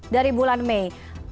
dari bulan mei